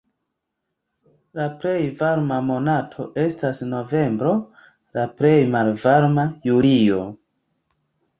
La plej varma monato estas novembro, la plej malvarma julio.